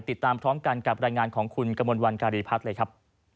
ติดตามพร้อมกันกับรายงานของคุณกระมวลวันการีพัฒน์เลยครับ